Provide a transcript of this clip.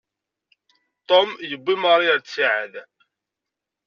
Ṭum yewwi Mari ɣer ttiɛad.